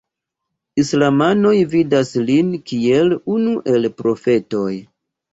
Islamanoj vidas lin kiel unu el profetoj.